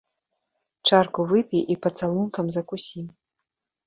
Чарку выпі і пацалункам закусі.